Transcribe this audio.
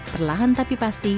perlahan tapi pasti